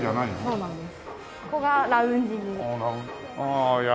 そうなんです。